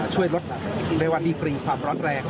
ช่วยลดในวันดีกรีความร้อนแรง